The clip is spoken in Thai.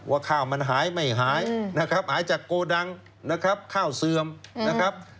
ว่าข้าวมันหายไม่หายนะครับหายจากโกดังนะครับข้าวเสื่อมนะครับ